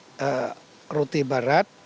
di kecamatan rote barat